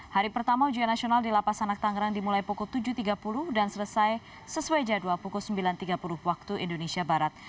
hari pertama ujian nasional di lapas anak tangerang dimulai pukul tujuh tiga puluh dan selesai sesuai jadwal pukul sembilan tiga puluh waktu indonesia barat